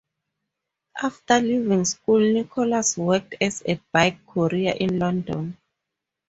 After leaving school Nicholas worked as a bike courier in London.